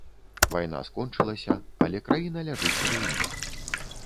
Вайна скончылася, але краіна ляжыць у руінах.